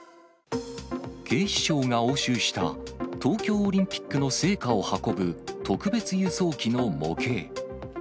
警視庁が押収した、東京オリンピックの聖火を運ぶ特別輸送機の模型。